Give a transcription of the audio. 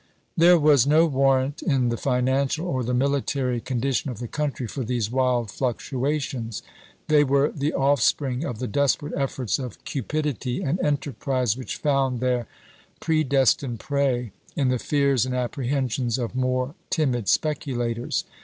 There was no warrant in the financial or the military condi tion of the country for these wild fluctuations. They were the offspring of the desperate efforts of cupidity and enterprise which found their predes tined prey in the fears and apprehensions of more timid speculators.